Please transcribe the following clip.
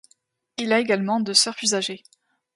Il a également deux sœurs plus âgées.